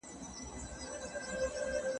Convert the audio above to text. د افغان په جرګه اور بیا لګولی خپل تربور دی